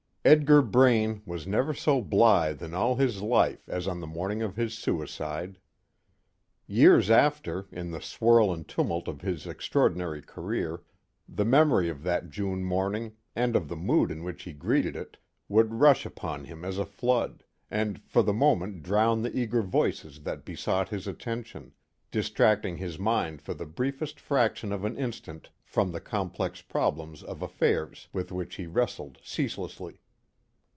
Edgar Braine was never so blithe in all his life as on the morning of his suicide. Years after, in the swirl and tumult of his extraordinary career, the memory of that June morning, and of the mood in which he greeted it, would rush upon him as a flood, and for the moment drown the eager voices that besought his attention, distracting his mind for the briefest fraction of an instant from the complex problems of affairs with which he wrestled ceaselessly.